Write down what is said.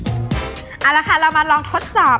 เอาละค่ะเรามาลองทดสอบ